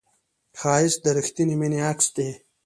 ښایست د رښتینې مینې عکس دی